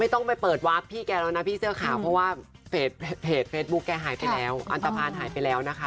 ต้องไปเปิดวาร์ฟพี่แกแล้วนะพี่เสื้อขาวเพราะว่าเพจเฟซบุ๊คแกหายไปแล้วอันตภัณฑ์หายไปแล้วนะคะ